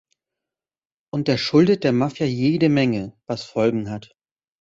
Und der schuldet der Mafia jede Menge, was Folgen hat.